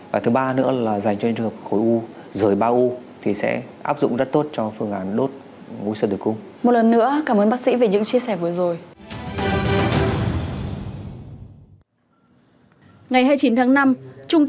và thứ ba nữa là dành cho những trường hợp khối u rời ba u thì sẽ áp dụng rất tốt cho phương án đốt u sơ tử cung